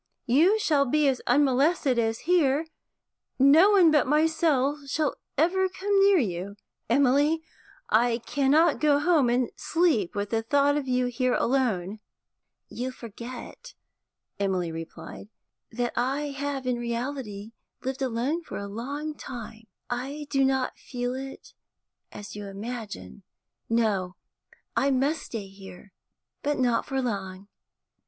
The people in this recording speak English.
'You shall be as unmolested as here; no one but myself shall ever come near you. Emily, I cannot go home and sleep with the thought of you here alone.' 'You forget,' Emily replied, 'that I have in reality lived alone for a long time; I do not feel it as you imagine. No, I must stay here, but not for long.